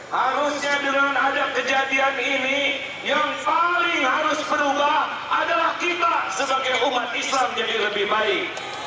harusnya dengan ada kejadian ini yang paling harus berubah adalah kita sebagai umat islam jadi lebih baik